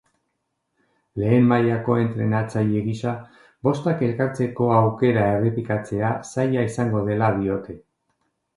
Lehen mailako entrenatzaile gisa bostak elkartzeko aukera errepikatzea zaila izango dela diote.